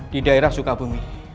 di daerah sukabumi